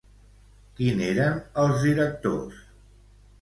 Qui n'eren els directors?